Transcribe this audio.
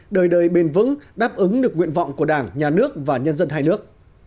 đời đời bền vững đáp ứng được nguyện vọng của đảng nhà nước và nhân dân hai nước